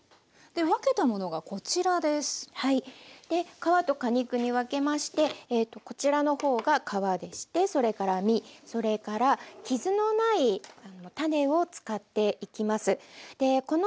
皮と果肉に分けましてこちらの方が皮でしてそれから実それから傷のない種を使っていきます。